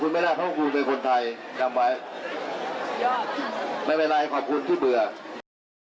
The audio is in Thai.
คุณเบื่อผมยังไงผมก็เบื่อคุณไม่ได้เพราะคุณเป็นคนไทยจังไว้